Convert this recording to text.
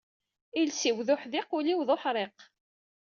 Iles-iw d uḥdiq, ul-iw d uḥriq.